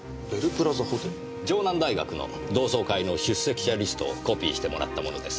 城南大学の同窓会の出席者リストをコピーしてもらったものです。